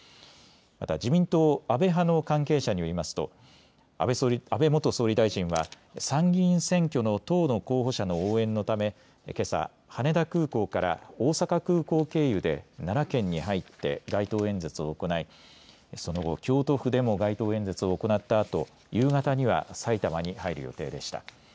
また、自民党安倍派の関係者によりますと安倍元総理大臣は参議院選挙の党の候補者の応援のためけさ羽田空港から大阪空港経由で奈良県に入って街頭演説を行いその後、京都府でも街頭演説を行ったあと夕方には埼玉に入る予定でした。